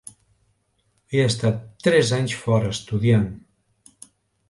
He estat tres anys fora, estudiant.